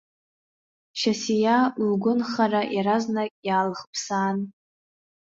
Шьасиа, лгәынхара иаразнак иаалхыԥсаан.